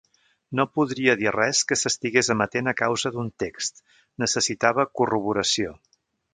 No podria dir res que s'estigués emetent a causa d'un text; necessitava corroboració.